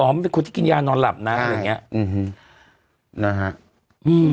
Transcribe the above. มันเป็นคนที่กินยานอนหลับนะอะไรอย่างเงี้ยอืมนะฮะอืม